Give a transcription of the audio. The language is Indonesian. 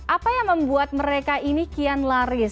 apa yang membuat mereka ini kian laris